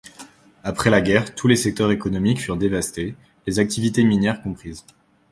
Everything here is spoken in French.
Après la guerre, tous les secteurs économiques furent dévastés, les activités minières comprises.